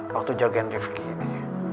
waktu jagain rifqi ini